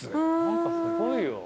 何かすごいよ。